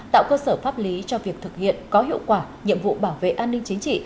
tạo cơ sở pháp lý cho việc thực hiện có hiệu quả nhiệm vụ bảo vệ an ninh chính trị